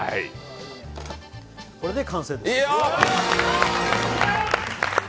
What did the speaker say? これで完成です。